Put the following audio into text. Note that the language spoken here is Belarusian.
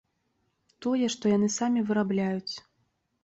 Тое, што яны самі вырабляюць.